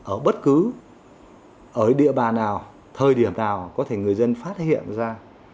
ở bất cứ ở địa bàn nào thời điểm nào có thể người dân phát hiện ra